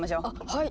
はい！